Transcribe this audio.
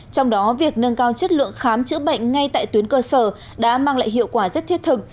trong đó việc nâng cao chất lượng khám chữa bệnh ngay tại tuyến cơ sở đã mang lại hiệu quả rất thiết thực